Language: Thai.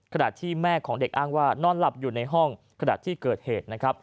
ขณะที่แม่ของเด็กอ้างว่านอนหลับอยู่ในห้องขณะที่เกิดเหตุนะครับ